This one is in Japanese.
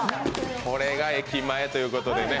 これが駅前ということでね。